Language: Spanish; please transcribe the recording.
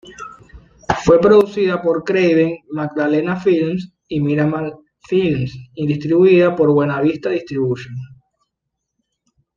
Fue producida por Craven-Maddalena Films y Miramax Films, y distribuida por Buena Vista Distribution.